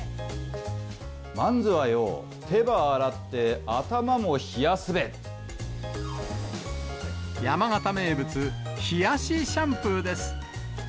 まんずはよ、手ば洗って、山形名物、冷やしシャンプーです。